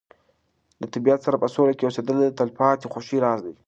د طبیعت سره په سوله کې اوسېدل د تلپاتې خوښۍ راز دی.